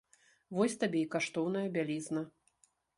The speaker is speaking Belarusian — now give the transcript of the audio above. Вось табе і каштоўная бялізна!